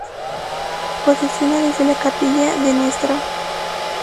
Procesiona desde la Capilla de Ntra.